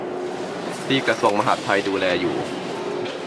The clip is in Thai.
ที่กระทรวงมหาดไทยดูแลอยู่